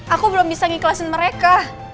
aku belum bisa mengikhlasin mereka